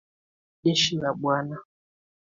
Jeshi la bwana